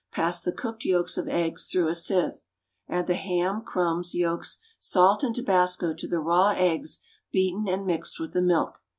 Pass the cooked yolks of eggs through a sieve. Add the ham, crumbs, yolks, salt and tabasco to the raw eggs beaten and mixed with the milk.